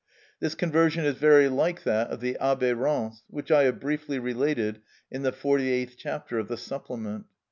(88) This conversion is very like that of the Abbé Rancé, which I have briefly related in the 48th chapter of the Supplement.